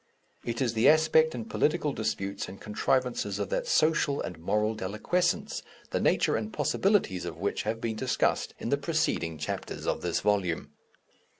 It is the aspect in political disputes and contrivances of that social and moral deliquescence the nature and possibilities of which have been discussed in the preceding chapters of this volume.